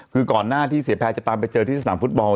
คือก่อนหน้าที่เสียแพรจะตามไปเจอที่สนามฟุตบอล